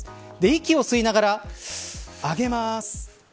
息を吸いながら上げます。